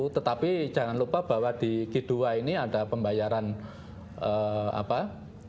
tetapi jangan lupa bahwa di g dua ini ada pembayaran apa